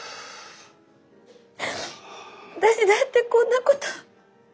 私だってこんなこと。